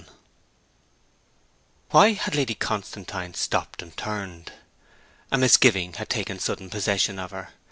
XI Why had Lady Constantine stopped and turned? A misgiving had taken sudden possession of her.